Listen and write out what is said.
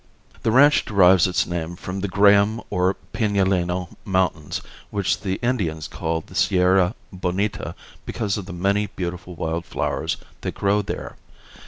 The ranch derives its name from the Graham or Pinaleno mountains which the Indians called the Sierra Bonita because of the many beautiful wild flowers that grow there.